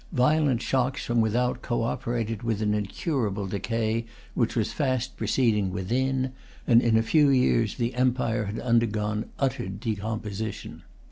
Violent shocks from without co operated with an incurable decay which was fast proceeding within; and in a few years the empire had undergone utter decomposition.